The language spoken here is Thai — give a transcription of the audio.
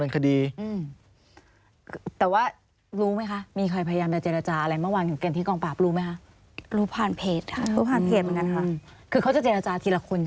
คือเขาจะเจรจาทีละคุณใช่ไหม